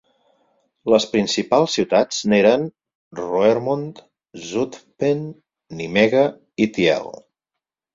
Les principals ciutats n'eren Roermond, Zutphen, Nimega i Tiel.